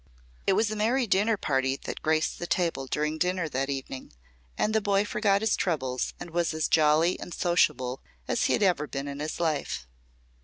It was a merry dinner party that graced the table during dinner that evening, and the boy forgot his troubles and was as jolly and sociable as he had ever been in his life.